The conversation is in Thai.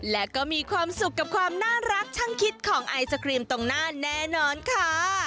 และก็มีความสุขกับความน่ารักช่างคิดของไอศครีมตรงหน้าแน่นอนค่ะ